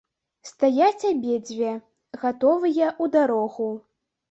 Стаяць абедзве, гатовыя ў дарогу.